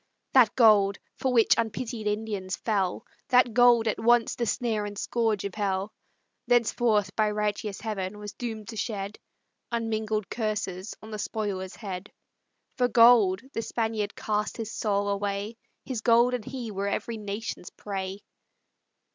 That gold, for which unpitied Indians fell, That gold, at once the snare and scourge of hell, Thenceforth by righteous Heaven was doom'd to shed Unmingled curses on the spoiler's head; For gold the Spaniard cast his soul away, His gold and he were every nation's prey.